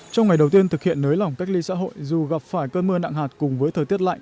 trong ngày đầu tiên thực hiện nới lỏng cách ly xã hội dù gặp phải cơn mưa nặng hạt cùng với thời tiết lạnh